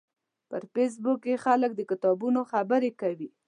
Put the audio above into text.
په فېسبوک کې خلک د کتابونو خبرې کوي